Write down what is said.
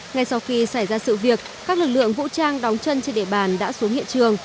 ngay sau khi xảy ra sự việc các lực lượng vũ trang đóng chân trên địa bàn đã xuống hiện trường